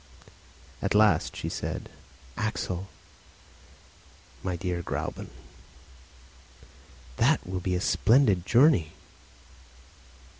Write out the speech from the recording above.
At last she said, "Axel!" "My dear Gräuben." "That will be a splendid journey!"